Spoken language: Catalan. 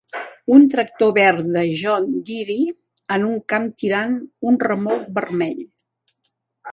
un tractor verd de John Deere en un camp tirant un remolc vermell.